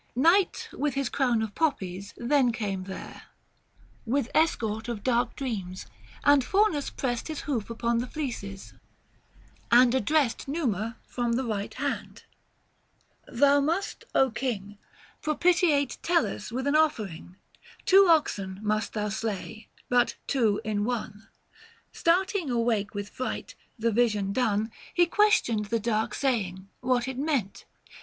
760 Night, with his crown of poppies, then came there 128 THE FASTI. Book IV. With escort of dark dreams : and Faunns pressed His hoof upon the fleeces, and addressed Numa from the right hand — "Thou must, King, Propitiate Tellus with an offering ; 765 Two oxen must thou slay, but two in one." Starting awake with fright : the vision done, He questioned the dark saying — what it meant.